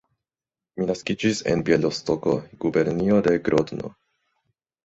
Mi naskiĝis en Bjelostoko, gubernio de Grodno.